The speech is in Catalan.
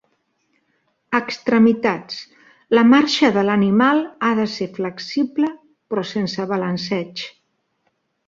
Extremitats: la marxa de l'animal ha de ser flexible però sense balanceig.